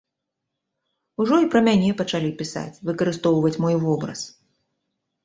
Ужо і пра мяне пачалі пісаць, выкарыстоўваць мой вобраз.